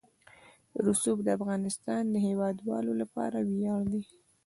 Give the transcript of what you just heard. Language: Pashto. رسوب د افغانستان د هیوادوالو لپاره ویاړ دی.